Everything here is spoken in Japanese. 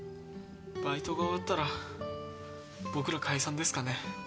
バイトが終わったら僕ら解散ですかね。